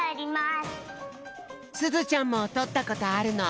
すずちゃんもとったことあるの？